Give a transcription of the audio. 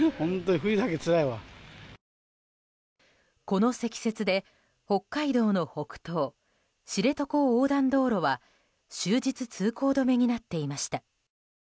この積雪で北海道の北東知床横断道路は終日通行止めになっていました。